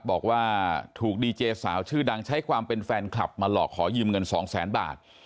บอกว่าถูกดีเจสาวชื่อดังใช้ความเป็นแฟนคลับมาหลอกขอยืมเงินสองแสนบาท